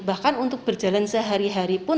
bahkan untuk berjalan sehari hari pun